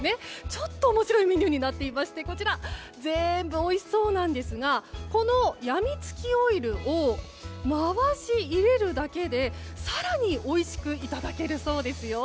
ちょっと面白いメニューになっていまして全部おいしそうなんですがこのやみつきオイルを回し入れるだけで更においしくいただけるそうですよ。